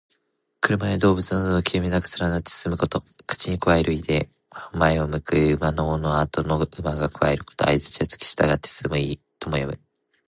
車や動物などが切れ目なく連なって進むこと。「銜」は口にくわえる意で、「銜尾」は前を行く馬の尾をあとの馬がくわえること。「相随」はつきしたがって進む意。「銜尾相随う」とも読む。